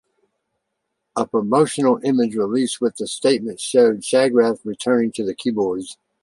A promotional image released with the statement showed Shagrath returning to the keyboards.